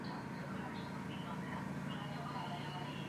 一般在始发站两名列车长一起执行迎接旅客登车任务。